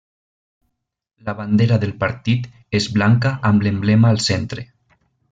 La bandera del partit és blanca amb l'emblema al centre.